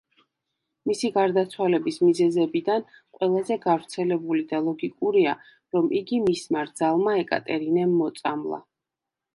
მისი გარდაცვალების მიზეზებიდან, ყველაზე გავრცელებული და ლოგიკურია, რომ იგი მისმა რძალმა ეკატერინემ მოწამლა.